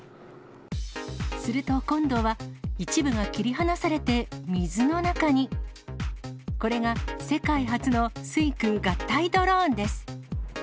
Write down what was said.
すると、今度は、一部が切り離されて水の中に。これが、世界初の水空合体ドローンです。